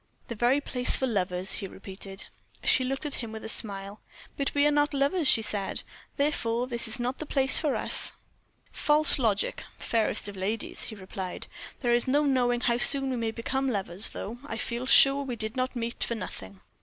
"The very place for lovers," he repeated. She looked at him with a smile: "But we are not lovers," she said; "therefore it is not the place for us." "False logic! fairest of ladies!" he replied; "there is no knowing how soon we may become lovers, though. I feel sure we did not meet for nothing."